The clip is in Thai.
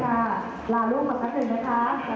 แต่ว่ากดนี้เราเอาประสบการณ์